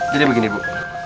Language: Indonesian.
jadi begini bu